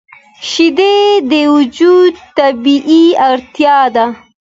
شیدې د وجود طبیعي اړتیا ده